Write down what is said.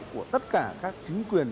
của tất cả các chính quyền